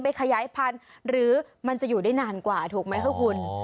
ขยายพันธุ์หรือมันจะอยู่ได้นานกว่าถูกไหมคะคุณ